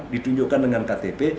ditunjukkan dengan ktp